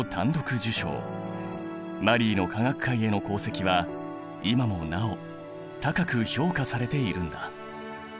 マリーの科学界への功績は今もなお高く評価されているんだ。